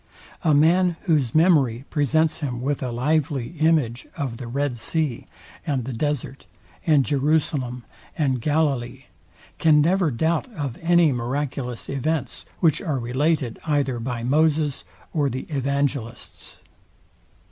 A man, whose memory presents him with a lively image of the Red Sea, and the Desert, and Jerusalem, and Galilee, can never doubt of any miraculous events, which are related either by Moses or the Evangelists.